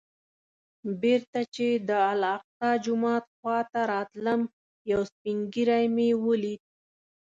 بېرته چې د الاقصی جومات خوا ته راتلم یو سپین ږیری مې ولید.